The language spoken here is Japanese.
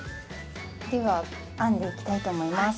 では編んでいきたいと思います。